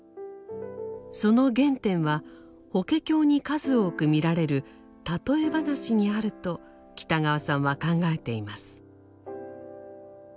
その原点は「法華経」に数多く見られる譬え話にあると北川さんは考えています。